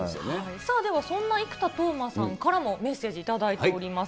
さあでは、そんな仲間の生田斗真さんからもメッセージ頂いております。